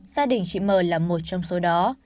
gia đình chị m là một trong số đó